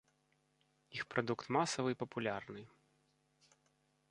Іх прадукт масавы і папулярны.